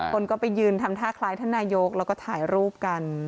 คนก็ไปยืนทำท่าคล้ายท่านนายกแล้วก็ถ่ายรูปกัน